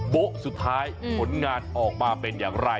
โบ๊ะสุดท้ายผลงานออกมาเป็นอย่างไร